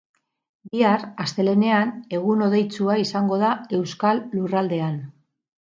Bihar, astelehenean, egun hodeitsua izango da euskal lurraldean.